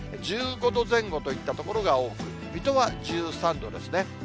１５度前後といった所が多く、水戸は１３度ですね。